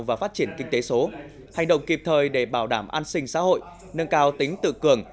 và phát triển kinh tế số hành động kịp thời để bảo đảm an sinh xã hội nâng cao tính tự cường